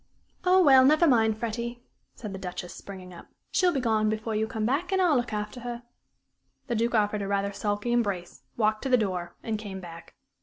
"Oh, well, never mind, Freddie," said the Duchess, springing up. "She'll be gone before you come back, and I'll look after her." The Duke offered a rather sulky embrace, walked to the door, and came back.